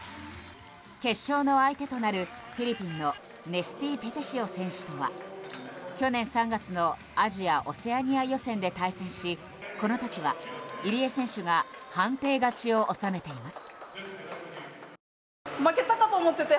決勝の相手となるフィリピンのネスティー・ペテシオ選手とは去年３月のアジア・オセアニア予選で対戦しこの時は入江選手が判定勝ちを収めています。